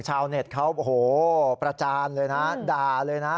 ชาวเน็ตเขาโอ้โหประจานเลยนะด่าเลยนะ